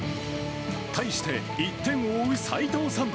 対して１点を追う齋藤さん。